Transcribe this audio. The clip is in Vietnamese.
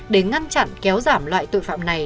để ngăn chặn kéo giảm loại tội phạm này